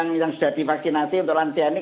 karena yang sudah divaksinasi untuk lansia ini ya